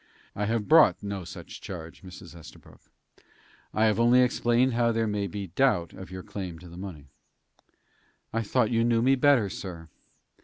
"I have brought no such charge, Mrs. Estabrook. I have only explained how there may be doubt of your claim to the money." "I thought you knew me better, sir."